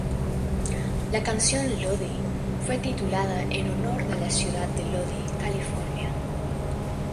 La canción "Lodi" fue titulada en honor de la ciudad de Lodi, California.